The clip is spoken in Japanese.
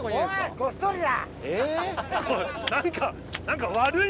何か。